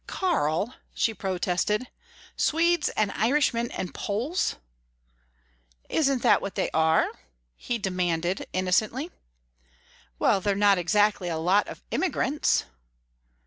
"Karl," she protested "Swedes and Irishmen and Poles!" "Isn't that what they are?" he demanded, innocently. "Well they're not exactly a lot of immigrants."